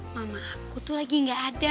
mama aku tuh lagi gak ada